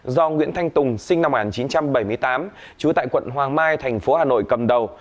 do nguyễn thanh tùng sinh năm một nghìn chín trăm bảy mươi tám trú tại quận hoàng mai thành phố hà nội cầm đầu